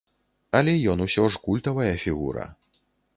Але ён усё ж культавая фігура.